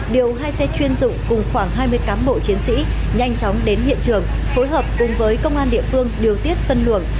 điều hai xe chuyên dụng cùng khoảng hai mươi cán bộ chiến sĩ nhanh chóng đến hiện trường phối hợp cùng với công an địa phương điều tiết phân luồng